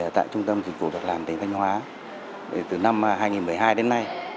tại trung tâm dịch vụ việc làm tỉnh thanh hóa từ năm hai nghìn một mươi hai đến nay